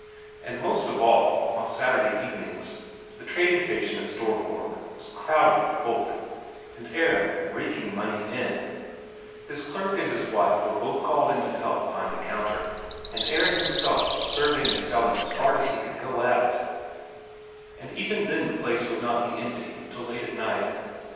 And most of all on Saturday evenings, the trading station at Storborg was crowded with folk, and Aron raking money in; his clerk and his wife were both called in to help behind the counter, and Aron himself serving and selling as hard as he could go at it and even then the place would not be empty till late at night.